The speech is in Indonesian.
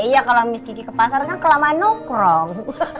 iya kalau miss kiki ke pasar kan kelamaan nukrong